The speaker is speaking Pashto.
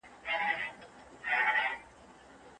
ځینې سیمې لا هم لرې دي.